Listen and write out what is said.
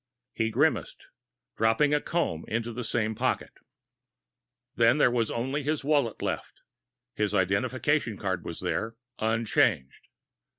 He grimaced, dropping a comb into the same pocket. Then there was only his wallet left. His identification card was there, unchanged.